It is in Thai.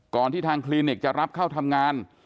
ที่ทางคลินิกจะรับเข้าทำงาน